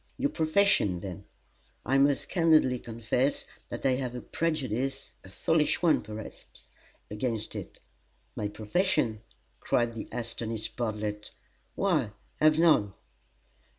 "Your profession, then. I must candidly confess that I have a prejudice a foolish one, perhaps, against it." "My profession!" cried the astonished Bartlett; "why, I have none!"